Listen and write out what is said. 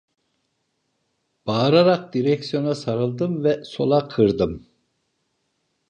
Bağırarak direksiyona sanldım ve sola kırdım…